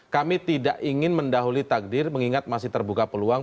kami tidak ingin mendahuli takdir mengingat masih terbuka peluang